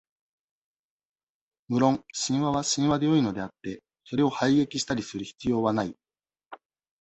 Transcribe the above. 無論、神話は神話でよいのであって、それを排撃したりする必要はない。